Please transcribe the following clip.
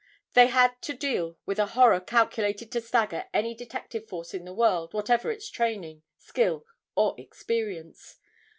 They had to deal with a horror calculated to stagger any detective force in the world whatever its training, skill or experience.